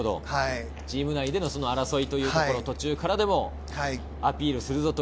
チーム内での争いというところ、途中からでもアピールするぞと。